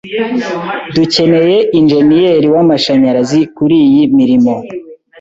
Dukeneye injeniyeri w'amashanyarazi kuriyi mirimo.